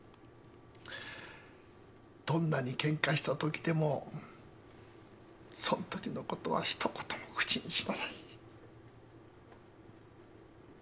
どんなにケンカしたときでもそんときのことはひと言も口にしない。